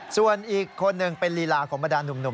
ส่วนอีกคนหนึ่งเป็นลีลาของบรรดาหนุ่ม